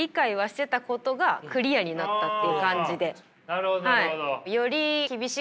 なるほどなるほど。